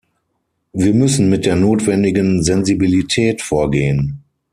Wir müssen mit der notwendigen Sensibilität vorgehen.